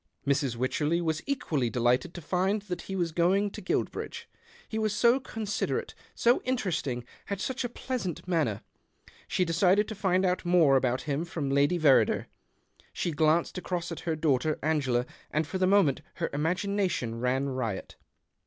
Mrs. Wycherley was equally delighted to find that he was going to Guilbridge. He was so considerate, so interesting, had such a pleasant manner. She decided to find out more about him from Lady Verrider. She glanced across at her daughter Angela, and for the moment her imagination ran riot.